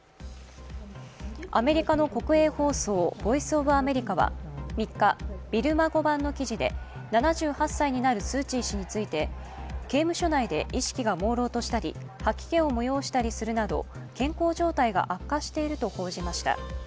アメリカの国営放送ボイス・オブ・アメリカは３日、ビルマ語版の記事で７８歳になるスー・チー氏について刑務所内で意識がもうろうとしたり、吐き気を催したりするなど、健康状態が悪化していると報じました。